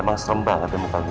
emang serembah gede muka gue